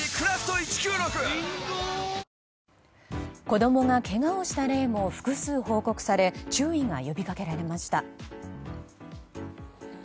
子供がけがをした例も複数報告され注意が呼びかけられました。